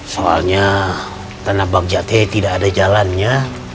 soalnya tanah bagja tidak ada jalannya